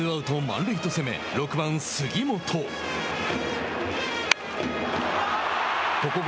打線は４回ツーアウト、満塁と攻め６番、杉本。